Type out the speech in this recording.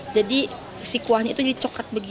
jadi si kuahnya itu dicoklat